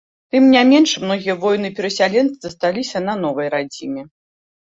Тым не менш, многія воіны і перасяленцы засталіся на новай радзіме.